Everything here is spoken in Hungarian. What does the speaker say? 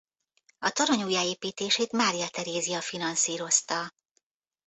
A torony újjáépítését Mária Terézia finanszírozta.